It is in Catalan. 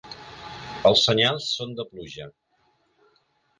Els senyals són de pluja.